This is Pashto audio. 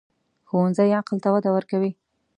ښوونځی عقل ته وده ورکوي